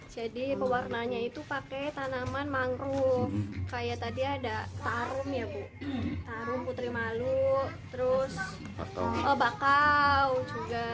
jadi pewarna nya itu pakai tanaman mangruf kayak tadi ada tarum ya bu putri malu bakau juga